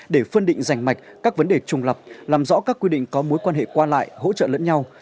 để phân định rảnh mạch các vấn đề trùng lập làm rõ các quy định có mối quan hệ qua lại hỗ trợ lẫn nhau